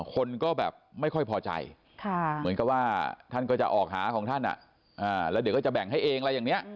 คนก็แบบไม่ค่อยพอใจเหมือนกับว่าท่านก็จะออกหาของท่านแล้วเดี๋ยวก็จะแบ่งให้เองอะไรอย่างนี้